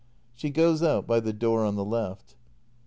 [She goes out by the door on the left.